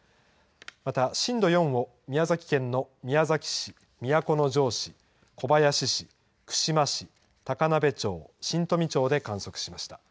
また震度４を宮崎県の宮崎市、都城市、小林市、串間市、高鍋町、新富町で観測しました。